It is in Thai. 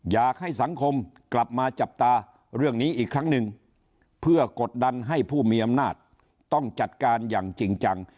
อยากให้สังคมกลับมาจับตาเรื่องนี้อีกครั้งหนึ่งเพื่อกดดันให้ผู้มีอำนาจต้องจัดการอย่างจริงจัง